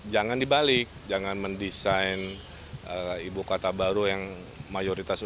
jangan dibalik jangan mendesain ibu kota baru yang mayoritas